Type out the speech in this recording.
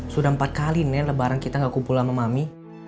sudah empat kali nenek lebaran kita gak kumpul sama mami